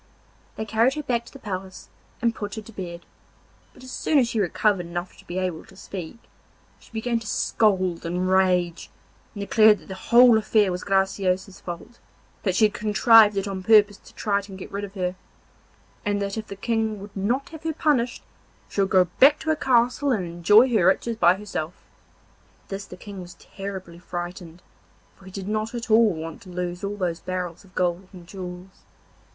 They carried her back to the palace and put her to bed, but as soon as she recovered enough to be able to speak, she began to scold and rage, and declared that the whole affair was Graciosa's fault, that she had contrived it on purpose to try and get rid of her, and that if the King would not have her punished, she would go back to her castle and enjoy her riches by herself. At this the King was terribly frightened, for he did not at all want to lose all those barrels of gold and jewels.